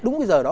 đúng cái giờ đó